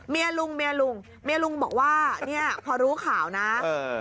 เมียลุงเมียลุงเมียลุงบอกว่าเนี่ยพอรู้ข่าวนะเออ